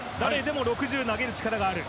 ６０投げる力がある。